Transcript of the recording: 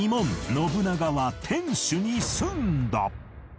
信長は天主に住んだ！